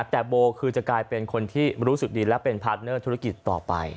แต่โบคือจะกลายเป็นคนที่รู้สึกดีและเป็นพาร์ทเนอร์ธุรกิจต่อไป